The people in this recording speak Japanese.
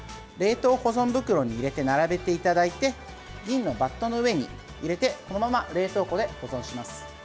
冷凍保存袋に入れて並べていただいて銀のバットの上に入れてこのまま冷凍庫で保存します。